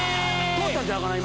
通ったんちゃうかな⁉